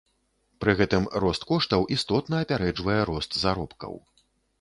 Пры гэтым рост коштаў істотна апярэджвае рост заробкаў.